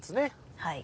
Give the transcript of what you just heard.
はい。